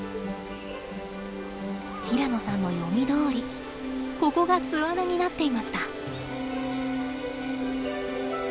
平野さんの読みどおりここが巣穴になっていました。